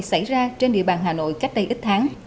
xảy ra trên địa bàn hà nội cách đây ít tháng